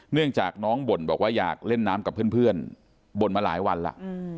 เนื่องจากน้องบ่นบอกว่าอยากเล่นน้ำกับเพื่อนบ่นมาหลายวันล่ะ